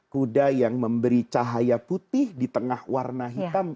kuda yang memberi cahaya putih di tengah warna hitam